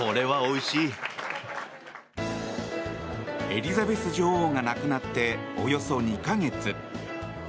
エリザベス女王が亡くなっておよそ２か月。